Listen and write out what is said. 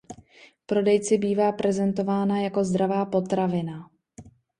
Prodejci bývá prezentována jako zdravá potravina.